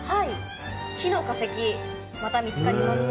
木の化石また見つかりました。